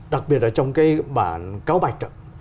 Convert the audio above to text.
đặc biệt là trong cái bản cáo bạch